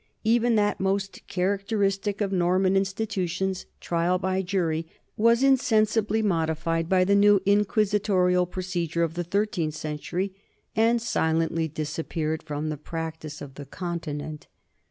Even that most characteristic of Norman institutions, trial by jury, was insensibly modified by the new inquisitorial pro cedure of the thirteenth century and silently disap peared from the practice of the Continent.